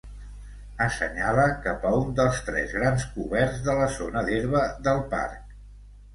Assenyala cap a un dels tres grans coberts de la zona d'herba del parc.